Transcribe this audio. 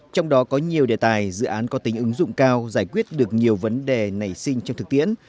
trong đó có nhiều đề tài dự án có tính ứng dụng cao giải quyết được nhiều vấn đề nảy sinh trong thực tiễn